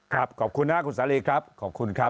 ขอบคุณนะคุณสาลีครับขอบคุณครับ